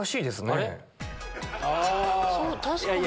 確かに。